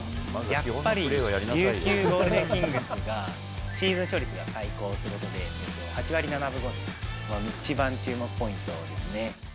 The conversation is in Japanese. やっぱり琉球ゴールデンキングスが、チーム勝率が最高ということで、８割７分５厘、一番注目ポイント